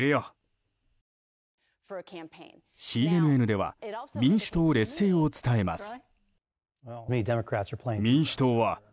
ＣＮＮでは民主党劣勢を伝えます。